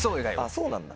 そうなんだ。